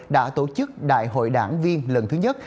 đã tổ chức đại hội đảng viên lần thứ nhất